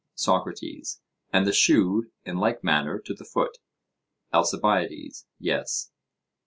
SOCRATES: And the shoe in like manner to the foot? ALCIBIADES: Yes.